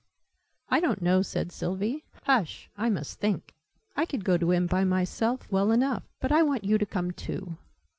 "I don't know," said Sylvie. "Hush! I must think. I could go to him, by myself, well enough. But I want you to come too."